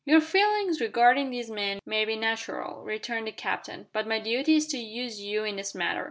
"Your feelings regarding these men may be natural," returned the captain, "but my duty is to use you in this matter.